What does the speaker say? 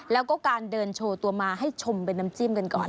แล้วก็การเดินโชว์ตัวมาให้ชมเป็นน้ำจิ้มกันก่อน